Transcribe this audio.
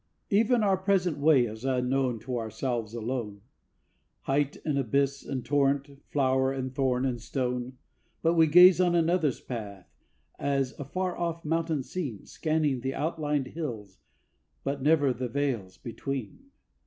Even our present way is known to ourselves alone, Height and abyss and torrent, flower and thorn and stone; But we gaze on another's path as a far off mountain scene, Scanning the outlined hills, but never the vales between.